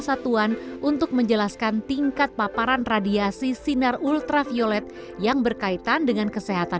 satuan untuk menjelaskan tingkat paparan radiasi sinar ultraviolet yang berkaitan dengan kesehatan